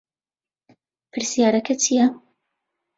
پرسیارەکە چییە؟